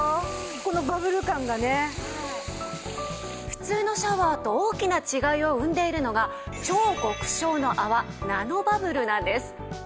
普通のシャワーと大きな違いを生んでいるのが超極小の泡ナノバブルなんです。